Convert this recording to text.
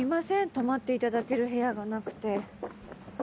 泊まっていただける部屋がなくて。